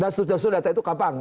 dan seterusnya data itu gampang